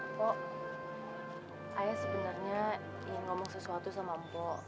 mpok ayah sebenarnya ingin ngomong sesuatu sama mpok